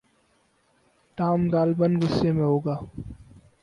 Tom غالباً غصے میں ہوگا۔